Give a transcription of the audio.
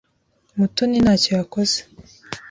Mutoni ntacyo yakoze.